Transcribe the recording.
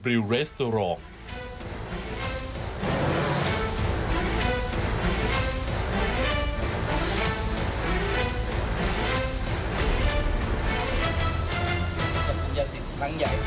รัชพรชะลาดล